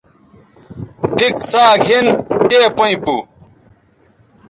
پِھک ساگِھن تے پئیں پو